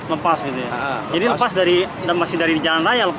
lepas gitu ya jadi lepas dari jalan raya